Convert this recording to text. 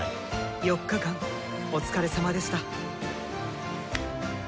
４日間お疲れさまでした。